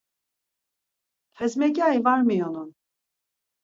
Xezmekyayi var miyonun!